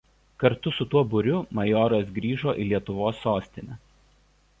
Kartu su tuo būriu majoras grįžo į Lietuvos sostinę.